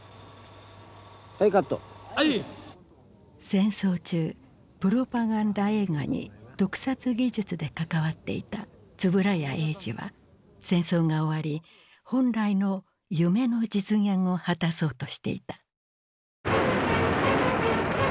戦争中プロパガンダ映画に特撮技術で関わっていた円谷英二は戦争が終わり本来の夢の実現を果たそうとしていた。